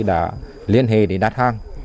đã liên hệ để đặt hàng